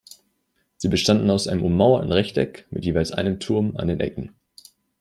Sie bestanden aus einem ummauerten Rechteck mit jeweils einem Turm an den Ecken.